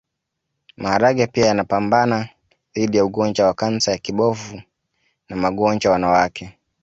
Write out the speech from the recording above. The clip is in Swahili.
Maharage pia yanapambana dhidi ya ugonjwa wa kansa ya kibofu na magonjwa ya wanawake